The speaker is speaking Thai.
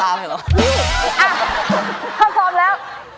อ่ะพร้อมแล้ว